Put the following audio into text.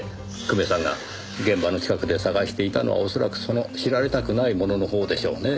久米さんが現場の近くで捜していたのは恐らくその知られたくないもののほうでしょうねぇ。